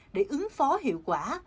để ứng phó hiệu quả